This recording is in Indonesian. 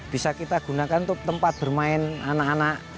bisa kita gunakan untuk tempat bermain anak anak